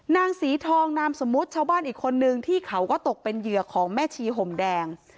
นางศรีทองนามสมมุติชาวบ้านอีกคนนึงที่เขาก็ตกเป็นเหยื่อของแม่ชีห่มแดง